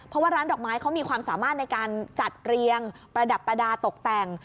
เพราะว่าร้านดอกไม้เขามีความสามารถในการจัดเรียงประดับประดาษตกแต่ง